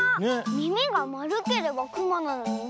みみがまるければくまなのにね。